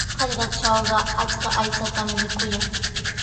Hallqatrawqa achka aychatami mikuyan.